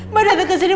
mbak datang ke sini